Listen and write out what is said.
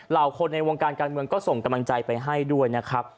คนในวงการการเมืองก็ส่งกำลังใจไปให้ด้วยนะครับ